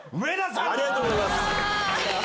ありがとうございます！